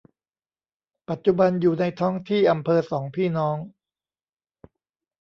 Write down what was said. ปัจจุบันอยู่ในท้องที่อำเภอสองพี่น้อง